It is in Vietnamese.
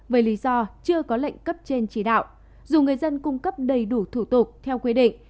với lý do chưa có lệnh cấp trên chỉ đạo dù người dân cung cấp đầy đủ thủ tục theo quy định